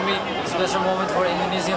ini adalah saat yang istimewa untuk futbol indonesia